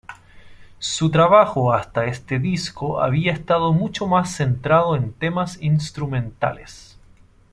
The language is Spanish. Su trabajo hasta este disco había estado mucho más centrado en temas instrumentales.